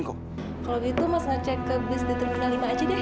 kalau gitu mas ngecek ke bus di terminal lima aja deh